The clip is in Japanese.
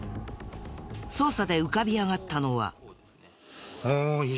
捜査で浮かび上がったのは。